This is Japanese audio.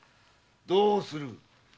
どうする？